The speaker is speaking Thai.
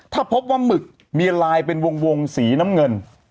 ถ้าพบว่าหมึกมีลายเป็นวงสีน้ำเงิน